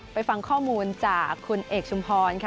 ไปฟังข้อมูลจากคุณเอกชุมพรค่ะ